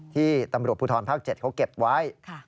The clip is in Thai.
ที่ตำรวจภูทรภาค๗เขาเก็บไว้